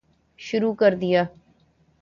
شروع کردیا